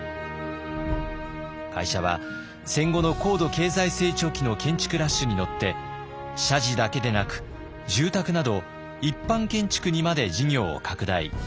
会社は戦後の高度経済成長期の建築ラッシュに乗って社寺だけでなく住宅など一般建築にまで事業を拡大。